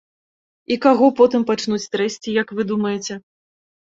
І каго потым пачнуць трэсці, як вы думаеце?